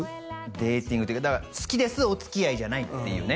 デーティングっていうか「好きです」「おつきあい」じゃないっていうね